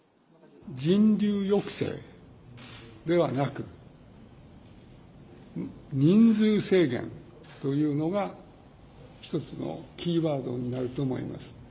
人流抑制ではなく、人数制限というのが、１つのキーワードになると思います。